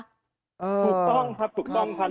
ถูกต้องครับถูกต้องครับ